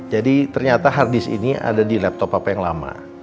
jadi ternyata hardisk ini ada di laptop pak yang lama